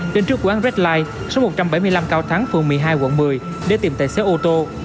lên trước quán red light số một trăm bảy mươi năm cao thắng phường một mươi hai quận một mươi để tìm tài xế ô tô